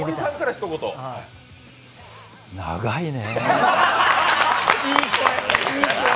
長いね。